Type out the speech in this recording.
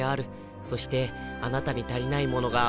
そしてあなたに足りないものが僕には。